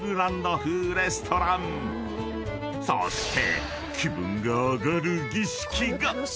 ［そして］